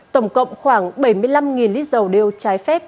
tổng cộng khoảng bảy mươi năm lít dầu đeo trái phép